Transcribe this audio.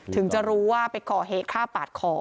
ถึงจะรู้ว่าไปขอเหข้าบบาดคอ